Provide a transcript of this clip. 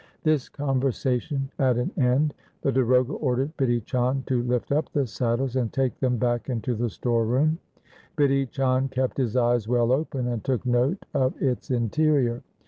This conversation at an end, the darogha ordered Bidhi Chand to lift up the saddles and take them back into the store room. Bidhi Chand kept his eyes well open, and took note of its interior.